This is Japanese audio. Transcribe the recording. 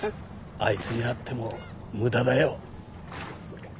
あいつに会ってもムダだよ